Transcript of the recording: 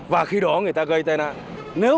và khi đó người ta gây tai nạn